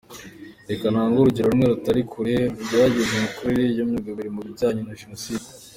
Reka ntange urugero rumwe rutari kure rugaragaza imikorere ya rugabire mu bijyanye na jenoside.